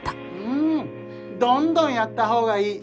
うんどんどんやったほうがいい。